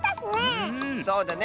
そうだね。